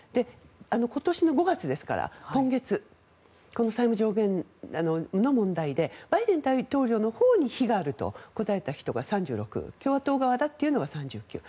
今年の５月ですから今月、債務上限の問題でバイデン大統領のほうに非があると答えた人が３６％共和党側だっていうのは３９％。